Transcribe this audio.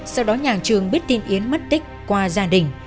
sau đó nhà trường biết tin yến mất tích qua gia đình